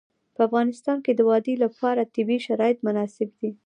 په افغانستان کې د وادي لپاره طبیعي شرایط مناسب دي.